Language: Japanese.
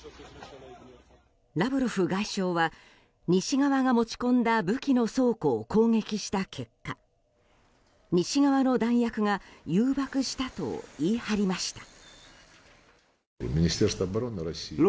ラブロフ外相は西側が持ち込んだ武器の倉庫を攻撃した結果西側の弾薬が誘爆したと言い張りました。